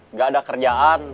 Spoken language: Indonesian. nggak ada kerjaan